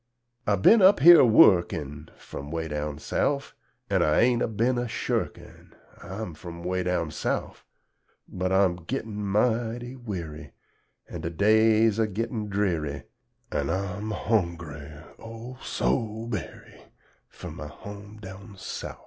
I bin up here a wuckin', From 'weh down Souf, An' I ain't a bin a shurkin' I'm frum 'weh down Souf; But I'm gittin' mighty werry, An' de days a gittin' drerry, An' I'm hongry, O, so berry, Fur my hom' down Souf.